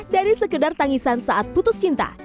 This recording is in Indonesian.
dari sekedar tangisan saat putus cinta